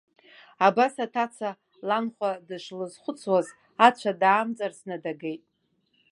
Абас аҭаца ланхәа дышлызхәыцуаз ацәа даамҵарсны дагеит.